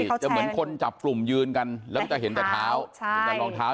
จะเหมือนคนจับกลุ่มยืนกันแล้วก็จะเห็นแต่เท้าเห็นแต่รองเท้า